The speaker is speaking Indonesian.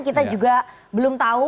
kita juga belum tahu